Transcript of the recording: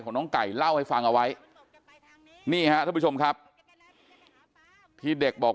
น้องไก่เล่าให้ฟังเอาไว้นี่ฮะท่านผู้ชมครับที่เด็กบอก